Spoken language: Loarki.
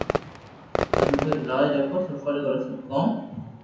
سنتو ري لاج رکو سفل ڪرو سب ڪوم